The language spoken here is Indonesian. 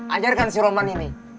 ajarkan si roman ini